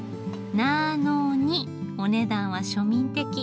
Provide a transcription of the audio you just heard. なのにお値段は庶民的。